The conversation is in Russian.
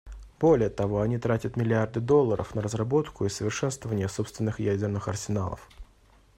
Более того, они тратят миллиарды долларов на разработку и совершенствование собственных ядерных арсеналов.